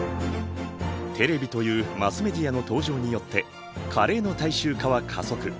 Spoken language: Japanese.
テレビというマスメディアの登場によってカレーの大衆化は加速。